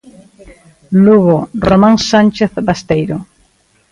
Lugo, Román Sánchez Basteiro.